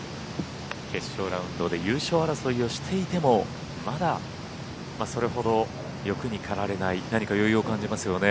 決勝ラウンドで優勝争いをしていてもまだそれほど欲にかられない何か余裕を感じますよね。